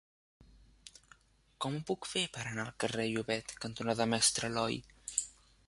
Com ho puc fer per anar al carrer Llobet cantonada Mestre Aloi?